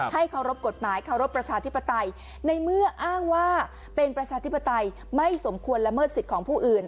เคารพกฎหมายเคารพประชาธิปไตยในเมื่ออ้างว่าเป็นประชาธิปไตยไม่สมควรละเมิดสิทธิ์ของผู้อื่น